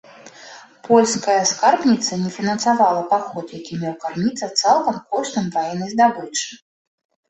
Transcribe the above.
Польская скарбніца не фінансавала паход, які меў карміцца цалкам коштам ваеннай здабычы.